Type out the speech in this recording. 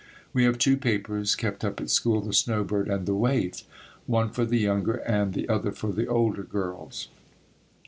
We have two papers kept up at school, The Snow Bird and The Waif one for the younger and the other for the older girls.